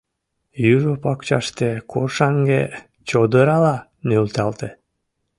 Южо пакчаште коршаҥге чодырала нӧлталте.